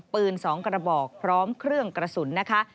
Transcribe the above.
ปืน๒กระบอกพร้อมเครื่องกระสุนนะคะ